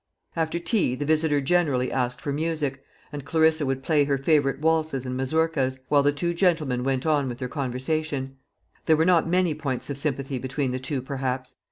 After tea the visitor generally asked for music; and Clarissa would play her favourite waltzes and mazourkas, while the two gentlemen went on with their conversation. There were not many points of sympathy between the two, perhaps.